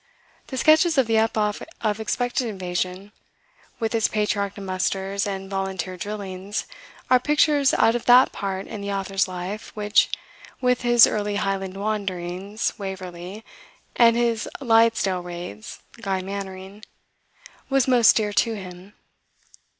The sketches of the epoch of expected invasion, with its patriotic musters and volunteer drillings, are pictures out of that part in the author's life which, with his early Highland wanderings ("Waverley") and his Liddesdale raids ("Guy Mannering"), was most dear to him.